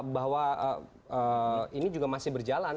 bahwa ini juga masih berjalan